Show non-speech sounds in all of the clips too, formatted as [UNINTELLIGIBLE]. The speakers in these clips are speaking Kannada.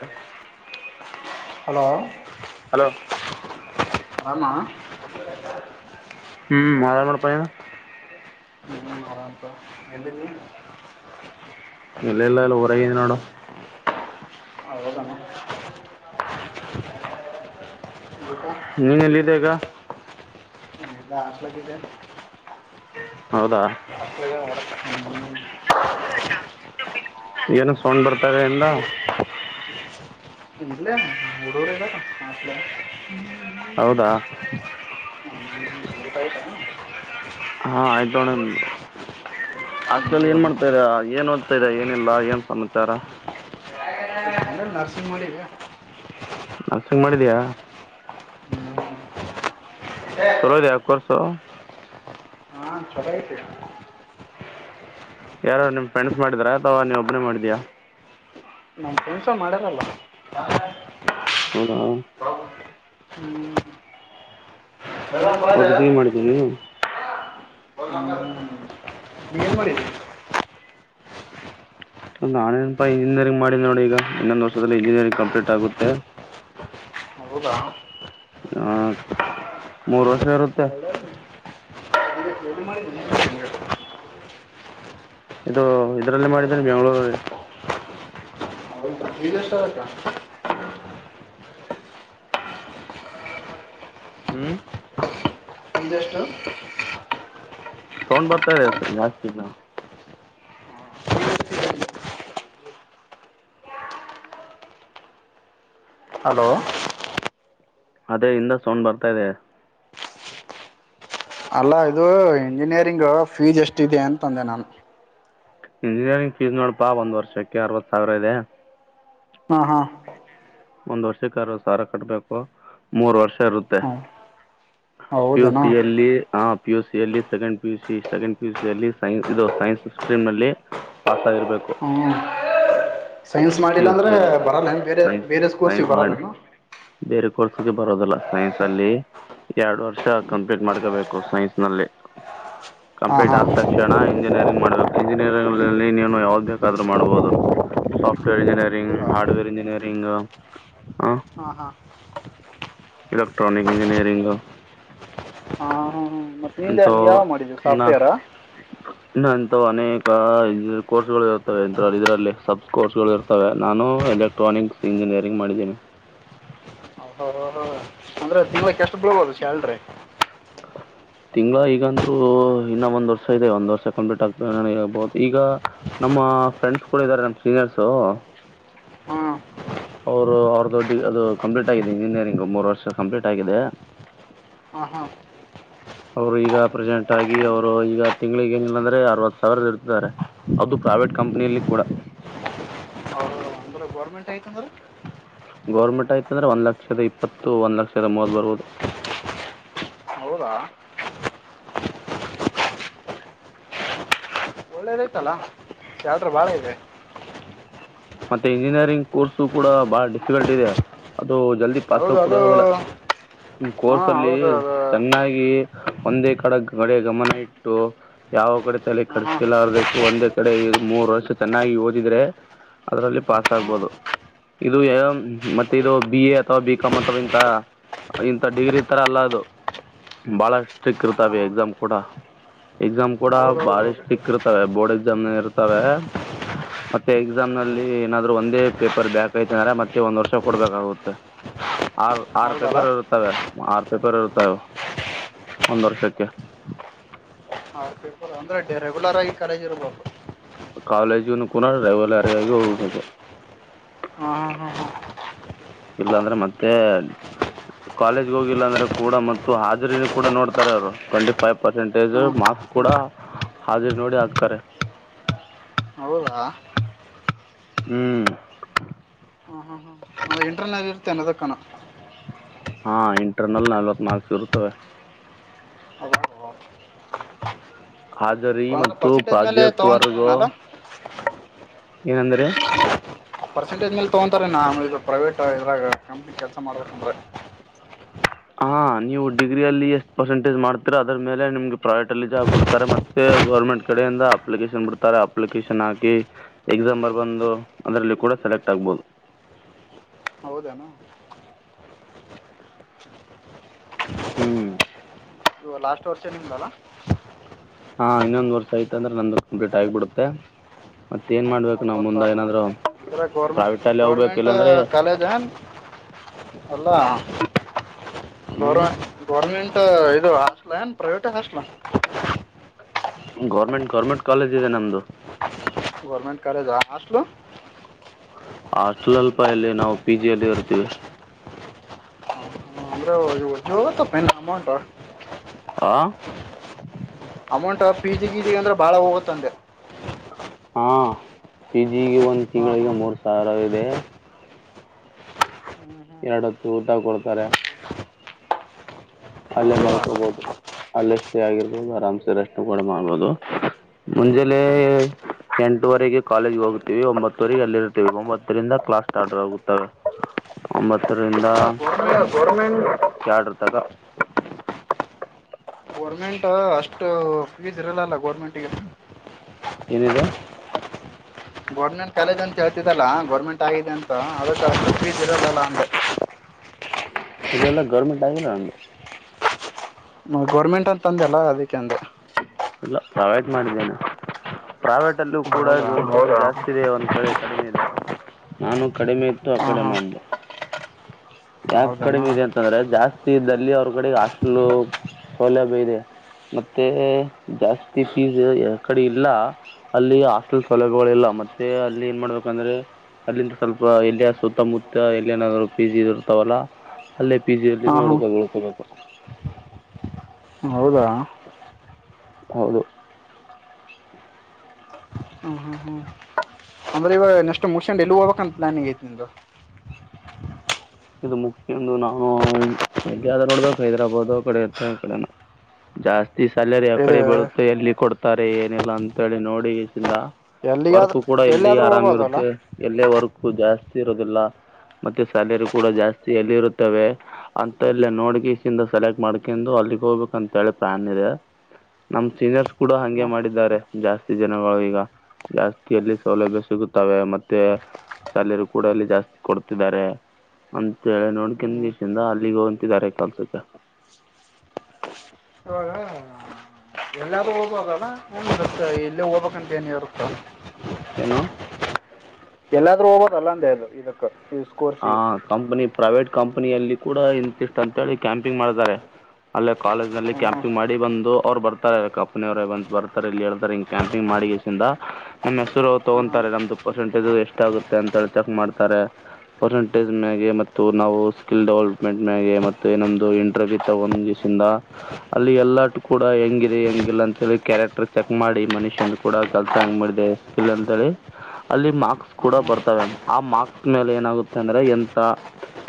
ಹ ಹಲೋ [INAUDIBLE] ನಾನ [INAUDIBLE] ಹ್ಮ್ ಆರ ಮಾಡಪಾಯ ನಿ ಆರಾಮಂತ ಎಲ್ಲಿ ಇಲ್ಲ ಇಲ್ಲಲ್ಲ ಊರಗಿಧೀನ ನೋಡು [INAUDIBLE] ಅವದಗಳನ್ನು ನೀನ್ ಎಲ್ಲಿದೆಗ ಇಗ ಆಲ ಕ [INAUDIBLE] ಹೌದಾ ಹಳರ [INAUDIBLE] ಹ್ಮ್ [UNINTELLIGIBLE] ಏನು ಸೌಂಡ್ ಬರ್ತಾರ ಎಂದ [INAUDIBLE] ಇಲ ಹಡರ ಆಲ ಹೌದಾ ಹ್ಮ ತ [INAUDIBLE] ಹಾ ಆಯ್ತು ನೋಡ ಹಸ್ಲಲ್ಲಿ ಏನ್ ಮಾಡ್ತಾದೆ ಏನ್ ಓದ್ತಾದೆ ಏನಿಲ್ಲ ಏನ್ ಸಮಾಚಾರ ಹ ಆಮೇಲೆ [INAUDIBLE] ನರ್ಸಿಂಗ್ ಮಾಡಿದೆ [INAUDIBLE] ನರ್ಸಿಂಗ್ ಮಾಡಿದ್ಯಾ ಚಲೋ ಇದಿಯಾ ಕೋರ್ಸ್ ಸ [INAUDIBLE] ಹಾ ಚರಾಯತ ಯಾರೋ ನಿಮ್ ಫ್ರೆಂಡ್ಸ್ ಮಾಡಿದಾರಾ ಅಥವಾ ನೀವ್ ಒಬ್ಬನೇ ಮಾಡಿದ್ಯಾಾ [INAUDIBLE] ನುಸ ಮಾಡ್ಯಾರಲ್ಲ ಹೌದ ಹ್ಮ್. ಹೌದ ಮಾಡಿದ್ದೀನೆ ನೀ ಅ ನೀನ್ ಮಾಡರಿ ನಾನೇನಪ ಇಂಜಿನಿಯರಿಂಗ್ ಮಾಡಿದ್ದೆ ನೋಡಿ ಈಗ ಇನ್ನೊಂದು ವರ್ಷದಲ್ಲಿ ಇಂಜಿನಿಯರಿಂಗ್ ಕಂಪ್ಲೀಟ್ ಆಗುತ್ತೆ ಹೌದಾ ಹಾ ಮೂರು ವರ್ಷ ಇರುತ್ತೆ. ಒಳ್ಳೆಯದು ಇದು ಇದ್ರಲ್ಲ ಮಾಡಿದ್ದನೆ ಬೆಂಗ್ಳೂರು. ವಿದ ಸರಕ. ಹ್ಮ್. ಎಂದಷ್ಟು. ಸೋೊಂಡ್ ಬರ್ತಾರೆ ಜಾಸ್ತಿನ ಹಲೋ ಅದೇ ಇಂದ ಸೌಂಡ್ ಬರ್ತಾ ಇದೆ ಅಲ್ಲ ಇದು ಇಂಜಿನಿಯರಿಂಗ್ ಫೀಸ್ ಎಷ್ಟ ಇದೆ ಅಂತಂದೆ ನಾನು ಇಂಜಿನಿಯರಿಂಗ್ ಫೀಸ್ ನೋಡಪಾ ಒಂದ್ ವರ್ಷಕ್ಕೆ ಅರವತ್ ಸಾವಿರ ಇದೆ ಹಾ ಹಾ ಒಂದ್ ವರ್ಷಕ್ಕಾರ ಸಾರ ಕಟ್ಬೇಕು ಮೂರ್ ವರ್ಷ ಇರುತ್ತೆ ಹ್ಞೂ ಹೌದೇನೋ ಪಿಯುಸಿಯಲ್ಲಿ ಆ ಪಿ ಯುಸ ಅಲ್ಲಿ ಸೆಕೆಂಡ್ ಪ ಯುಸ ಸೆಕೆಂಡ್ ಪ ಯುಸ ಅಲ್ಲಿ ಸೈನ್ಸ್ ಇದು ಸೈನ್ಸ್ ಸ್ಟ್ರೀಮ್ ನಲ್ಲಿ ಪಾಸ್ ಆಗಿರ್ಬೇಕು ಹ್ಞೂ ಸೈನ್ಸ್ ಮಾಡಿಲ್ಲ ಅಂದ್ರೆ ಬರಲ್ಲ ಬೇರೆ ಸೈನ್ಸ್ ಬೇರೆ ಕೋರ್ಸಿ ಸೈನ್ಸ್ ಮಾಡಿ ಬರಲ್ಲನು ಬೇರೆ ಕೋರ್ಸ್ಗೆ ಬರೋದಲ್ಲ ಸೈನ್ಸ್ ಅಲ್ಲಿ ಎರಡು ವರ್ಷ ಕಂಪ್ಲೀಟ್ ಮಾಡ್ಕೋಬೇಕು ಸೈನ್ಸ್ ನಲ್ಲಿ ಹಾಂ ಕಂಪ್ಲೀಟ್ ಹಾಂ ಆದ ತಕ್ಷಣ ಇಂಜಿನಿಯರಿಂಗ್ ಮಾಡ್ಬೇಕು ಇಂಜಿನಿಯರಿಲ್ಲಿ ನೀನು ಯಾವ್ದ್ ಬೇಕಾದ್ರು ಮಾಡ್ಬಹುದು ಸಾಫ್ಟ್ವೇರ್ ಇಂಜಿನಿಯರಿಂಗ್ ಹೌದಾ ಹಾರ್ಡ್ವೇರ್ ಇಂಜಿನಿಯರಿಂಗ್ ಹ ಹಾಂ ಹಾಂ ಎಲೆಕ್ಟ್ರಾನಿಕ್ ಇಂಜಿನಿಯರಿಂಗ್ ಹಾಂ ನಿಂದೆ ನೀ ಇಂಥವು ಯಾವ್ ಮಾಡಿದೀವಿ ಇನ್ನೂ ಸಾಫ್ಟ್ವೇರಾ ಇನ್ನೂ ಅನೇಕ ಕೋರ್ಸ್ ಗಳು ಇರ್ತವೆ ಇದ್ರಲ್ಲಿ ಇದರಲ್ಲಿ ಸಬ್ ಕೋರ್ಸ್ಗಳು ಇರ್ತವೆ ನಾನು ಎಲೆಕ್ಟ್ರಾನಿಕ್ಸ್ ಇಂಜಿನಿಯರಿಂಗ್ ಮಾಡಿದ್ದೀನಿ ಅಂದ್ರೆ ದೀವಕ್ಕೆ ುಬದು ಶ್ಯಾಲ್್ರರಿ ತಿಂಗಗಳ ಈಗಂತರು ಇನ್ನ ಒಂದ್ ವರ್ಷ ಇದೆ ಒಂದ್ ವರ್ಷ ಕಂ್ಿಟ್ ಆಗ್ ನಬಹುದು ಈಗ ನಮ್ಮ ಫ್ರೆಂಡ್ಸ್ ಕೂಡ ಇದಾರೆ ನಮ್ ಸೀನಿಯರ್ಸು ಹಾಂ ಅವರು ಅವ್ರ ದೊಡ್ಡ ಅದು ಕಂಪ್ಲೀಟ್ ಆಗಿದೆ ಇಂಜಿನಿಯರಿಂಗ್ ಮೂರು ವರ್ಷ ಕಂಪ್ಲೀಟ್ ಆಗಿದೆ ಹಾಂ ಹಾಂ ಅವರು ಈಗ ಪ್ರೆಸೆಂಟ್ ಆಗಿ ಅವರು ಈಗ ತಿಂಗಳಿಗೆ ಏನಿಲ್ಲಾಂದ್ರೆ ಅರವತ್ತು ಸಾವಿರದ ಇರ್ತಾರೆ ಅದು ಪ್ರೈವೇಟ್ ಕಂಪ್ನಿಯಲ್ಲಿ ಕೂಡ. ಎಂಟ್ ಆಐತಂದೀ ಗೌರ್ಮೆಂಟ್ ಆಯ್ತ ಅಂದ್ರೆ ಒಂದ್ ಲಕ್ಷದ ಇಪ್ಪತ್ತು ಒಂದ್ ಲಕ್ಷದ ಮೂವದ ಬರುವುದು ಹೌದಾ ೈತಲ್ಲ ಯಲ್್ರೂ ಬಾಳ ಇದೆ ಮತ್ತೆ ಇಂಜಿನಿಯರಿಂಗ್ ಕೋರ್ಸು ಕೂಡ ಬಾಳ ಡಿಫಿಕಲ್ಟ್ ಇದೆ ದು ಜಲ್ದಿ ಪಸ್ ಹೌದು ಕೂಡ ಅದು ಅದಲ್ಲ ಕೋರ್ಸ ಹಾಂ ಅಲ್ಲಿ ಹೌದು ಅದು ಚೆನ್ನಾಗಿ ಒಂದೇ ಕಡೆ ಕಡೆ ಗಮನ ಇಟ್ಟು ಯಾವ ಕಡೆ ತಲೆ ಹಾಂ ಹಾಂ ಕಡ್ಸ್ಕಲ್ಲರ್ಬೇಕು ಒಂದೇ ಕಡೆ ಮೂರ್ ವರ್ಷ ಚೆನ್ನಾಗಿ ಓದಿದ್ರೆ ಅದರಲ್ಲಿ ಪಾಸ್ ಆಗ್ಬಹುದು ಇದು ಮತ್ತೆ ಹೌದು ಇದು ಬಿ ಎ ಅಥವಾ ಬಿ ಕಾಮ್ ಅವಾ ಇಂತ ಇಂತ ಡಿಗ್ರಿ ಇತರ ಅಲ್ಲ ಅದು ಬಹಳ ಸ್ಟ್ರಿಕ್ ಹಾಂ ಇರ್ತವೆ ಹಾಂ ಎಕ್ಸಾಮ್ ಕೂಡ ಎಕ್ಸಾಮ್ ಕೂಡ ಹೌದು ಹೌದು ಬಹಳ ಹೌದು ಸ್ಟ್ರಿಕ್ ಇರ್ತಾವೆ ಬೋರ್ಡ್ ಎಕ್ಸಾಮ್ ಇರ್ತವೆ ಮತ್ತೆ ಎಕ್ಸಾಮ್ಲ್ಲಿ ಲ್ಲಿ ಏನಾದ್ರು ಒಂದೇ ಪೇಪರ್ ಬ್ಯಾಕ್ ಐತ ಅಂದ್ರ ಮತ್ತೆ ಒಂದ್ ವರ್ಷ ಕೊಡ್ಬೇಕಾಗುತ್ತೆ ಆರು ಆರು ಹೌದಲ್ಲ ಪೇಪರ್ ಇರುತ್ತವೆ ಆರು ಪೇಪರ್ ಇರುತ್ತವು ಒಂದ್ ವರ್ಷಕ್ಕೆ ಅಂದ್ರೆ ಡ ರೆಗ್ಯುಲರ್ ಆಗಿ ಕಾಲೇಜ್ ಇರ್ಬೇಕು ಕಾಲೇಜಿನ ಕೂನ ರೆವಲ್ರಿಗಾಗಿ ಹೋಗ್ಬೇಕು ಹ್ಮ ಹಾ ಹಾ ಇಲ್ಲಾಂದ್ರೆ ಮತ್ತೆ ಕಾಲೇಜ್ ಹೋಗಿಲ್ಲಾ ಅಂದ್ರೆ ಕೂಡ ಮತ್ತು ಹಾಜರಿನ ಕೂಡ ನೋಡ್ತಾರೆ ಅವರು ಟ್ವೆಂಟಿಫೈವ್ ಪರ್ಸೆಂಟೇಜ್ ಹಾಂ ಮಾ ಹಾಂ ಕೂಡ ಹಾಜರಿ ನೋಡಿ ಹಾಕ್ತಾರೆ ಹೌದಾ ಹ್ಮ್ ನಮ್ಮ ಇಂಟ್ರರ್ನಲ್ ಇರು ತೆನ್ನೋದಕ್ಕನ ಹಾ ಇಂಟರ್ನಲ್ ನ ಅಲ್ವತ್ತು ಮಾರ್ಕ್ಸ್ ಇರುತವೆ ಹದು ರಿ ಅಂದ್ರೆ ಮತ್ತು ಪರ್ಸೆಂಟೇಜ್ ಮೇಲೆ ಪ್ರಾಜೆಕ್ಟ್ ವರ್ಗ ತೊಗೊಂತಾರೇನಲ್ಲ ಏನಂದ್ರೆ ಆ ಪರ್ಸೆಂೇಜ್ ಮೇಲೆ ತಗೊಂತಾರೆ ನ ಪ್ರೈವೇಟ್ ಇದ್ರಾಗ ಕಂಪ್ನಿ ಕೆಲಸ ಮಾಡ್ಬೇಕಂದ್ರೆ ಹಾ ನೀವು ಡಿಗ್ರಿಯಲ್ಲಿ ಎಷ್ಟು ಪರ್ಸೆಂಟೇಜ್ ಮಾಡ್ತರಾ ಅದ್ರ ಮೇಲೆ ನಿಮಗೆ ಪ್ರೈವೇಟ್ ಅಲ್ಲಿ ಜಾಬ್ ಬಿಡ್ತಾರೆ ಮತ್ತೆ ಗರ್ಮೆಂಟ್ ಕಡೆಯಿಂದ ಅಪ್ಲಿಕೇಶನ್ ಬಿಡ್ತಾರೆ ಅಪ್ಲಿಕೇಶನ್ ಹಾಕಿ ಎಕ್ಸಾಮ ಬರ್ ಬಂದು ಅದರಲ್ಲಿ ಕೂಡ ಸೆಲೆಕ್ಟ್ ಆಗ್ಬಹುದು ಹೌದನಾ ಹ್ಮ್ ಇದು ಲಾಸ್ಟ್ ವರ್ಷಾ ನಿಮ್ದಲಾ ಹಾ ಇನ್ನೊಂದ್ ವರ್ಷ ಐತ್ ಅಂದ್ರ ನಂದು ಕಂಪ್ಲೀಟ್ ಆಗಿಬಿಡುತ್ತೆ ಮತ್ತ ಏನ್ ಮಾಡ್ಬೇಕು ನಾವು ಮುಂದೆ ಅರವತ್ತಾರು ಏನಾದರೂ ಅಂದ್ರೆ ಗೌರ್ಮೆಂಟ್ ಪ್ರೈವೇಟಲ್ಲಿ ಹೋಗ್ಬೇಕು ಗೌರ್ಮೆಂಟ್ ಇಲ್ಲಾಂದರೆ ಕಾಲೇಜ್ ಏನು ಅಲ್ಲಾ ಹ್ಞೂ ಗೌರ್ಮ್ ಗೌರ್ಮೆಂಟ್ [INAUDIBLE] ಇದು ಹಾಸ್ಟಲ್ ಏನ್ private hostel government government college ಇದೆ ನಮ್ದು ಗೌರ್ಮೆಂಟ್ ಕಾಲೇಜ್ ಹಾಸ್ಟೆಲ್ ಹಾಸ್ಟೆಲ್ ಅಲ್ಪಾ ಇಲ್ಲಿ ನಾವು ಪಿ ಜಿ ಅಲ್ಲಿ ಇರ್ತೀವಿ ಅಂದ್ರೆ ಇವು ಜೋವುತಪ್ಪಾ ಇನ್ನ ಅಮೌಂಟ್ ಹಾ ಅಮೌಂಟೋ ಪಿಜಿ ಗಿಜಿ ಅಂದ್ರ ಭಾಳಾ ಹೋಗುತ್ತಂದೆ ಹಾ ಪಿಜಿ ಈಗಿ ಒಂದ ಹಾಂ ತಿಂಗಳಿಗೆ ಹಾಂ ಮೂರ್ ಸಾ ಸಾವಿರ ಹೋಗಿದೆ ಹ್ಞೂ ಹ್ಞೂ ಎರಡ ಹೊತ್ತು ಊಟಾ ಕೊಡ್ತಾರೆ ಅಲ್ಲೇ ಹೌದಾ ಮಲ್ಕೊಬೋದು ಅಲ್ಲೇ ಸ್ಟೇ ಆಗಿರಬೋದು ಆರಾಮ್ಸೆ ರೆಸ್ಟ್ ಕೂಡಾ ಮಾಡ್ಬೋದು ಮುಂಜಲೇ ಎಂಟುವರಿಗಿ ಕಾಲೇಜ್ ಹೋಗುತ್ತೀವಿ ಒಂಬತ್ತುವರಿಗೆ ಅಲ್ಲಿರ್ತೀವಿ ಒಂಬತ್ತರಿಂದ ಕ್ಲಾಸ್ ಸ್ಟಾರ್ಟ ಆಗುತ್ತವೆ ಒಂಬತ್ತರಿಂದ ಅಲ್ಲ ಅಲ್ಲಾ ಗೌರ್ಮೆಂಟ್ ಗೌರ್ಮೆಂಟ್ ಎರಡೂರ್ ತಕ ಗೌರ್ಮೆಂಟು ಅಷ್ಟ ಫೀಸ್ ಇರಲ್ಲಲ್ಲಾ ಗೌರ್ಮೆಂಟಿಗೆ ಏನಿದೆ ಗೌರ್ಮೆಂಟ್ ಕಾಲೇಜ್ ಅಂತ ಹೇಳ್ತಿದಲ್ಲಾ ಗೌರ್ಮೆಂಟ್ ಆಗಿದೆ ಅಂತ ಅದಕ ಅಷ್ಟ ಫೀಸ್ ಇರಲಲ್ಲ ಅಂದೆ ಇಲ್ಲಲ್ಲಾ ಗೌರ್ಮೆಂಟ್ ಆಗಿಲ್ಲಾ ನಂದು ಮತ್ತ್ ಗೌರ್ಮೆಂಟ್ ಅಂತಂದೆಲ್ಲಾ ಅದಿಕ್ಕೆ ಅಂದೆ ಇಲ್ಲ ಪ್ರಾವೇಟ್ ಮಾಡಿದ್ದೇನೆ ಪ್ರಾವೇಟ್ ಅಲ್ಲೂ ಹ್ಮ್, ಕೂಡಾ ಹೌದಾ [UNINTELLIGIBLE] ಸರಿ ಕಡಿಮೆ ಇದೆ ನಾನು ಕಡಿಮೆ ಇತ್ತು ಆ ಹಾ ಕಡೆ ಹಾ ಮಾಡ್ದೆ ಯಾಕ್ ಹೌದಣ ಕಡಿಮೆ ಹಾ ಇದೆ ಅಂತಂದ್ರೆ ಜಾಸ್ತಿ ಫ್ರೀ ಇದ್ದಲ್ಲಿ ಅವ್ರ ಕಡೆ ಹಾಸ್ಟೆಲು ಸೌಲಭ್ಯ ಇದೆ ಮತ್ತೆ ಜಾಸ್ತಿ ಫೀಜ್ ಯಕಡಿ ಇಲ್ಲಾ ಅಲ್ಲಿ ಹಾಸ್ಟೆಲ್ ಸೌಲಭ್ಯಗಳ ಇಲ್ಲ ಮತ್ತೆ ಅಲ್ಲಿ ಏನ್ ಮಾಡ್ಬೇಕಂದ್ರೆ ಅಲ್ಲಿಂದ ಸ್ವಲ್ಪ ಎಲ್ಲಿಯ ಸುತ್ತಮುತ್ತ ಎಲ್ಲಿ ಏನಾದ್ರು ಪಿ ಜಿ ಇದರ್ತಾವಲ್ಲ ಅಲ್ಲೇ ಪಿ ಜಿ ಅಲ್ಲಿ ಹಾ ಹುಡ್ಕೊಂಡು ಉಳಕೋಬೇಕು ಹೌದಾ ಹೌದು ಹ್ಮ್ ಹ್ಮ್ ಹ್ಮ್ ಅಂದ್ರೆ ಇವಾಗ ನೆಕ್ಸ್ಟ್ ಮುಗಿಸಕೊಂಡ ಎಲ್ಲಿ ಹೋಗ್ಬೇಕ್ ಅಂತ ಪ್ಲಾನ್ನಿಂಗ್ ಐತ್ ನಿಂದು ಇದು ಮುಗ್ಯಸ್ಕೊಂಡು ನಾವು ಎಲ್ಯಾದ್ರು ನೋಡ್ಬೇಕು ಹೈದ್ರಾಬಾದು ಕಡೆ ಇತ್ತಾ ಕಡೆನೊ ಜಾಸ್ತಿ ಈ ಸ್ಯಾಲರಿ ಯಾಕಡೆ ಇದು ಬೀಳುತೋ ಎಲ್ಲಿ ಕೊಡ್ ತಾರೆ ಏನಿಲ್ಲಾ ಅಂತೇಳಿ ನೋಡಿ [UNINTELLIGIBLE] ವರ್ಕ್ ಎಲ್ಲಿಗಾದ್ರೂ ಕೂಡಾ ಇಲ್ಲಿ ಎಲ್ಲಿಯಾದ್ರೂ ಆರಾಮ್ ಹೋಗ್ಬೋದಲ್ಲ ಇರುತ್ತೆ ಎಲ್ಲೇ ವರ್ಕ್ ವರ್ಕ್ ಜಾಸ್ತಿ ಇರೋದಿಲ್ಲ ಮತ್ತೆ ಸ್ಯಾಲರಿ ಕೂಡ ಜಾಸ್ತಿ ಎಲ್ಲಿ ಇರುತ್ತವೆ ಅಂತಲ್ಲಿ ನೋಡ್ಕೆಸಿಂದ ಸೆಲೆಕ್ಟ್ ಮಾಡ್ಕೊಂಡು ಅಲ್ಲಿಗ ಹೋಗ್ಬೇಕ ಅಂತ ಹೇಳಿ ಪ್ಲಾನ್ ಇದೆ ನಮ್ ಸೀನಿಯರ್ಸ್ ಕೂಡ ಹಂಗೆ ಹ್ಮ್ ಮಾಡಿದ್ದಾರೆ ಜಾಸ್ತಿ ಜನಗೋಳ ಈಗಾ ಜಾಸ್ತಿಯಲ್ಲಿ ಸೌಲಭ್ಯ ಸಿಗುತ್ತವೆ ಮತ್ತೆ ಸ್ಯಾಲರಿ ಕೂಡಾ ಅಲ್ಲಿ ಜಾಸ್ತಿ ಕೊಡ್ತಿದ್ದಾರೆ ಅಂತ ಹೇಳಿ ಹ್ಮ್ ನೋಡ್ಕೊಂಡ್ದೀಸಿಂದ ಅಲ್ಲಿಗ್ ಹೋಗ್ತಿದಾರೆ ಕೆಲ್ಸಕ್ಕೆ ಇವಾಗ ಮತ್ತ ಇಲ್ಲೇ ಹೋಗ್ಬೇಕಂತ ಏನ ಇರತ್ತ ಏನೋ ಎಲ್ಲಾದ್ರೂ ಹೋಗೋದಲಾ ಅಂದೆ ಇದು ಇದಕ್ ಈ ಆ ಕೋರ್ಸಿಗೆ ಕಂಪನಿ ಪ್ರೈವೇಟ್ ಕಂಪನಿಯಲ್ಲಿ ಕೂಡ ಇಂತಿಷ್ಟ್ ಅಂತ ಹೇಳಿ ಕ್ಯಾಂಪಿಂಗ್ ಮಾಡ್ತಾರೆ ಅಲ್ಲೇ ಕಾಲೇಜ್ ನಲ್ಲಿ ಹ್ಮ್ ಕ್ಯಾಂಪಿಂಗ್ ಮಾಡಿ ಬಂದು ಅವ್ರು ಬರ್ತಾರೆ ಕಂಪನಿ ಅವರ ಬರ್ತಾರೆ ಇಲ್ಲಿ ಹೇಳ್ತಾರೆ ಇಂಗೆ ಕ್ಯಾಂಪಿಂಗ್ ಮಾಡಿಸಿಂದ ನಮ್ಮ್ ಹೆಸರು ಹ್ಮ್ ಹ್ಮ್ ತಗೊಂತಾರೆ ನಮ್ದು ಪರ್ಸೆಂಟೇಜ್ ಎಷ್ಟ ಆಗುತ್ತೆ ಅಂತ ಹೇಳಿ ಚೆಕ್ ಮಾಡ್ತಾರೆ ಪರ್ಸೆಂಟೇಜ್ ಮ್ಯಾಗೆ ಮತ್ತು ನಾವು ಸ್ಕಿಲ್ ಡೆವಲಪ್ಮೆಂಟ್ ಮ್ಯಾಗೆ ಮತ್ತು ನಿಮ್ದು ಇಂಟರ್ವ್ಯೂ ಇ ತಗೊ್ ದಿವ್ಸಿಂದ ಅಲ್ಲಿ ಎಲ್ಲಾಟ ಕೂಡ ಹೆಂಗ ಇದೆ ಹೆಂಗಿಲ್ಲ ಅಂತಿ ಕ್ಯಾರೆಕ್ಟರ್ ಚೆಕ್ ಮಾಡಿ ಮನುಷ್ಯ ಕೂಡ ಕೆಲಸ ಹಂಗ ಮಾಡಿದೆ ಸ್ಕಿಲ್ ಅಂತಿ ಅಲ್ಲಿ ಮಾರ್ಕ್ಸ್ ಹ್ಮ್ ಕೂಡ ಹ್ಮ್ ಬರ್ತವೆ ಆ ಮಾರ್ಕ್ಸ್ ಮೇಲೆ ಏನುತ್ತ ಅಂದ್ರೆ ಎಂತ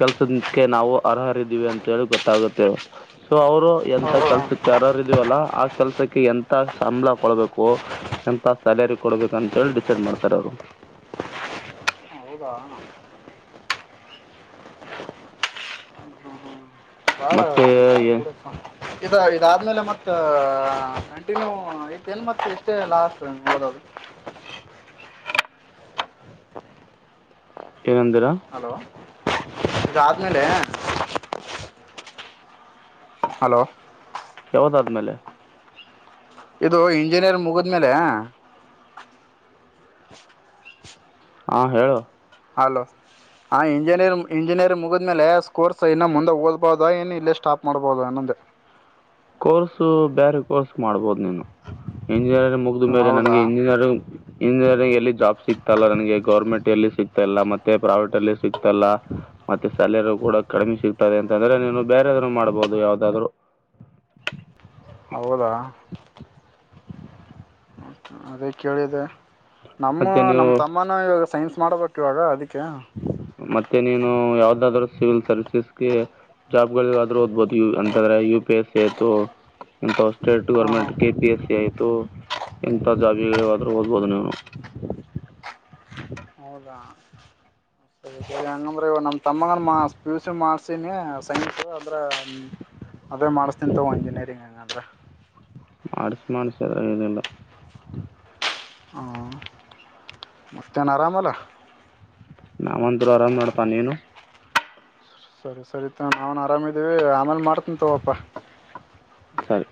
ಕೆಲ್ಸದಕ್ಕೆ ನಾವು ಅರ್ಹರಿದೀವಿ ಅಂತ ಹೇಳಿ ಗೊತ್ತಾಗುತ್ತೆ ಸೊ ಅವರು ಎಂಂತ ಹ್ಮ್ ಕೆಲ್ಸಕ್ಕೆ ಅರ್ಹರಿದೀವಲ್ಲಾ ಆ ಕೆಲ್ಸಕ್ಕೆ ಎಂತ ಸಂಬಳ ಕೊಡ್ಬೇಕು ಎಂತ ಸ್ಯಾಲರಿ ಕೊಡ್ಬೇಕು ಅಂತ ಹೇಳಿ ಡಿಸೈಡ್ ಮಾಡ್ತಾರೆ ಅವರು ಹೌದಾ ಮತ್ತೆ ಇದ ಇದಾದ್ಮೇಲೆ ಮತ್ತ ಕಂಟಿನ್ಯೂ ಐತೇನ್ ಮತ್ ಇಷ್ಟೇ ಲಾಸ್ಟ್ ನೋದದು ಕೆರಂತ ಹಲೋ ರಾತ್ ಮ ಲ ಹಲೋ ಯಾವದಾದ್ಮೇಲೆ ಇದು ಇಂಜಿನಿಯರ್ ಮುಗಿದ್ಮೇಲೆ ಹಾ ಹೇಳು ಅಲೋ ಹಾ ಇಂಜಿನಿಯರಿ್ ಇಂಜಿನಿಯರಿಂಗ್ ಮುಗಿದ್ಮೇಲೆ ಕೋರ್ಸ್ ಇನ್ನು ಮುಂದೆ ಓದ್ಬೋದಾ ಇನ್ನು ಇಲ್ಲೇ ಸ್ಟಾಪ್ ಮಾಡ್ಬೋದ ಅನ್ನೊದು ಕೋರ್ಸ ಬೇರೆ ಕೋರ್ಸ್ ಮಾಡ್ಬೋದು ನೀನು ಇಂಜಿನಿಯರಿಂಗ್ ಮುಗ್ದ ಮೇಲೆ ಹೌದಾ ನನಗೆ ಇಂಜಿನಿಯರಿಂಗ್ ಇಂಜಿನಿಯರಿಂಗ್ ಎಲ್ಲಿ ಜಾಬ್ ಸಿಗ್ತಲ್ಲ ನನಗೆ ಗವರ್ಮೆಂಟ್ ಎಲ್ಲಿ ಸಿಗ್ತಾ ಇಲ್ಲ ಮತ್ತೆ ಪ್ರೈವೇಟ್ ಅಲ್ಲಿ ಸಿಗ್ತಲ್ಲ ಮತ್ತೆ ಸ್ಯಾಲರಿ ಕೂಡ ಕಡಿಮೆ ಸಿಗ್ತದೆ ಅಂತಂದ್ರೆ ನೀನು ಬೇರೊ ಮಾಡ್ಬಹುದು ಯಾವ್ದಾದ್ರು ಹೌದಾ ಅದೇ ಕೇಳಿದೆ ನಮ್ಮ ಮತ್ತು ನೀವು ನಮ್ಮ ತಮ್ಮನ ಇವಾಗ ಸೈನ್ಸ್ ಮಾಡಬೇಕು ಇವಾಗ ಅದಕ್ಕೆ ಮತ್ತೆ ನೀನು ಯಾವ್ದಾದ್ರೂ ಸಿವಿಲ್ ಸರ್ವಿಸಸ್ಗೆ ಜಾಬ್ ಗಳಿಾದ್ರೂ ಓದ್ಬಹುದು ಯ ಎಂತಂದ್ರೆ ಯು ಪಿ ಎಸ್ ಸಿ ಆಯ್ತು ಎಂತ ಸ್ಟೇಟ್ ಗೌರ್ಮೆಂಟ್ ಹಾಂ ಕೆಪಿ ಎಸ್ ಸಿ ಆಯ್ತು ಎಂಂತ ಜಾಬ್ಗಳಿಾದ್ರೂ ಓದಬಹುದು ನೀನು ಹೌದಾ ಅ ಇವ ನಮ್ಮ ತಮ್ಮಗ ಮಾ ಪಿ ಯು ಸಿ ಮಾಡ್ಸೀಿನಿ ಸೈನ್ಸ ಅಂದರೆೆ ಅದೇ ಮಾಡ್ಿಸ್ ತಿಂತಾವ ಇಂಜಿನಿಯರಿಂಗ್ ಹಂಗ ಅಂದ್ರೆ ಮಾಡಣಿಸಿು ಮಾಣಸ ಅದ ಇಲ್ಲ ಮಸ್ತೇನ ಆರಾಮಲ್ಲ ನಾವಂತರು ಆರಾಮ್ ನೋಡ್ಪಾ ನೀನು ಸರಿ ಸರಿತ ನಾವನ್ ಆರಾಮಿದೀವಿ ಆಮೇಲೆ ಮಾಡ್ತಂತವಪ್ಪ ಸರಿ